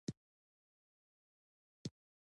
• د ځان لپاره لږ وخت ونیسه، کښېنه.